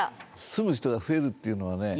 住む人が増えるっていうのはね